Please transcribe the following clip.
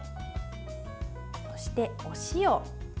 そして、お塩。